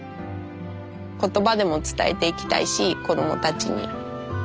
言葉でも伝えていきたいし子供たちに。